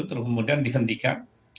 terus kemudian dihentikan